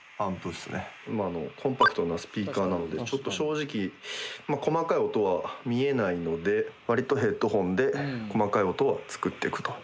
まああのコンパクトなスピーカーなのでちょっと正直細かい音は見えないので割とヘッドホンで細かい音は作っていくと。